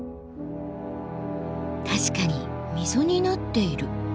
確かに溝になっている。